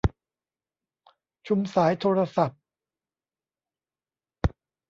ชุมสายโทรศัพท์